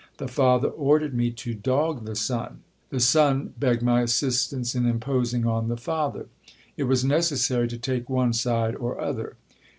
The father ordered me to dog the son, the son begged my assistance in imposing on the father ; it was necessary to take one side or other.